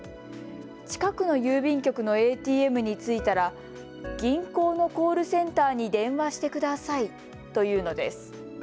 近くの郵便局のＡＴＭに着いたら銀行のコールセンターに電話してくださいと言うのです。